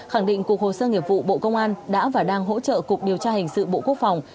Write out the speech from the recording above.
khẳng định cục hồ sơ nghiệp vụ bộ công an đã và đang hỗ trợ cục điều tra hình sự bộ quốc phòng